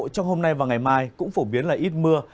trong hôm nay và ngày mai cũng phổ biến là ít mưa